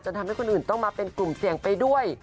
ทำให้คนอื่นต้องมาเป็นกลุ่มเสี่ยงไปด้วย